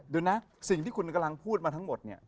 ดูนะสิ่งที่คุณกำลังพูดมาทั้งหมด